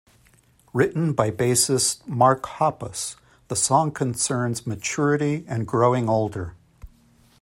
Written by bassist Mark Hoppus, the song concerns maturity and growing older.